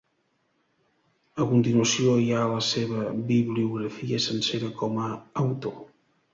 A continuació hi ha la seva bibliografia sencera com a autor.